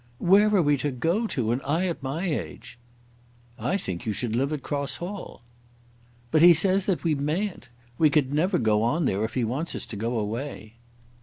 "Where are we to go to, and I at my age?" "I think you should live at Cross Hall." "But he says that we mayn't. We could never go on there if he wants us to go away."